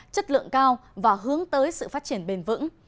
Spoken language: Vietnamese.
chất lượng cao và hướng tới sự phát triển bền vững